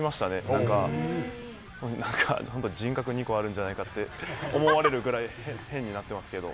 なんか、なんか本当に、人格２個あるんじゃないかって、思われるぐらい、変になってますけど。